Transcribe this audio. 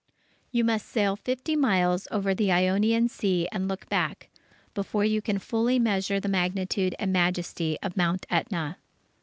You must sail fifty miles over the Ionian Sea and look back, before you can fully measure the magnitude and majesty of Mount Ætna.